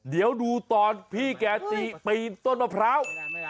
เดี๋ยวดูตอนพี่แกตีปีนต้นมะพร้าว